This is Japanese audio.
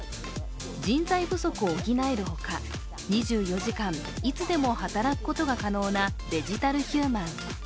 人材不足を補えるほか、２４時間、いつでも働くことが可能なデジタルヒューマン。